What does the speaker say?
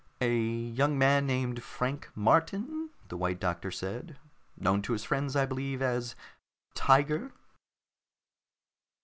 "A young man named Frank Martin," the White Doctor said. "Known to his friends, I believe, as 'Tiger.'"